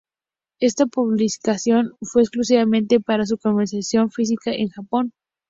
Esta publicación fue exclusivamente para su comercialización física en Japón.